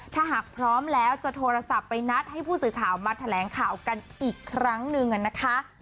ถ้าหากพร้อมแล้วจะโทรศัพท์ไปนัดให้ผู้สื่อข่าวมาแถลงข่าวกันอีกครั้งหนึ่งนะคะ